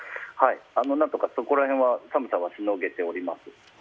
何とかそこら辺は、寒さはしのげております。